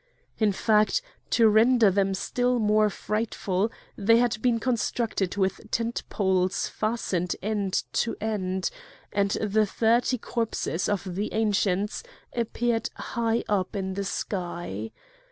In fact, to render them still more frightful, they had been constructed with tent poles fastened end to end, and the thirty corpses of the Ancients appeared high up in the sky.